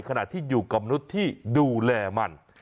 ขณะที่อยู่กับมนุษย์ที่ดูแลมัน